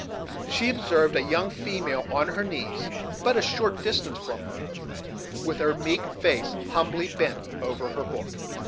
She observed a young female on her knees, but a short distance from her, with her meek face humbly bent over her book.